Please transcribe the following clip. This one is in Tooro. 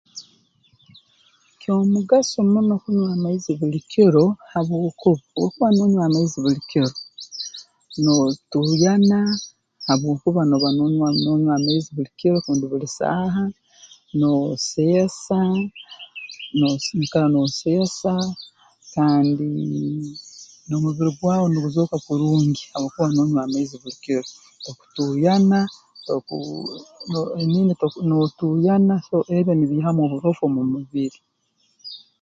Ky'omugaso muno kunywa amaizi buli kiro habwokuba obu okuba noonywa amaizi buli kiro nootuuyana habwokuba nooba nonywa noo noonywa amaizi buli kiro rundi buli saaha nooseesa nosee noikara nooseesa kandii n'omubiri gwawe nuguzooka kurungi habwokuba noonywa amaizi buli kiro tokutuuyana tokuu I mean nootuuyana so ebyo nibiihamu oburofu omu mubiri